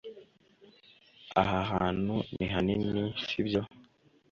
aha hantu ni hanini, si byo